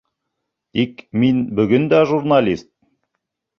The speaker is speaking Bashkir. Тик мин бөгөн дә журналист!